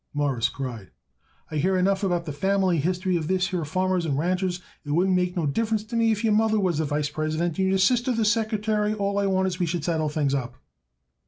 Morris cried. "I hear enough about the family history of this here Farmers and Ranchers. It wouldn't make no difference to me if your mother was the vice president and your sister the secretary. All I want is we should settle this thing up."